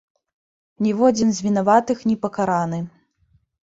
Ніводзін з вінаватых не пакараны.